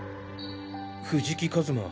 藤木一馬